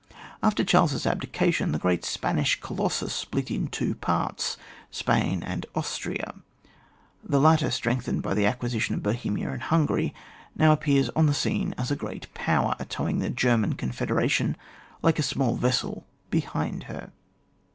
After Charles's abdication, the g^eat Spanish colossus split into two parts, Spain and Austria. The latter, strengthened by the acquisition of Bo hemia and Hungary, now appears on the scene as a g^eat power, towing the Ger man Confederation like a small vessel behind her.